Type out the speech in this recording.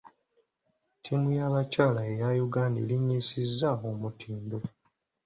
Ttiimu y'abakyala eya Uganda erinnyisiza omutindo.